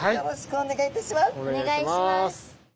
お願いします。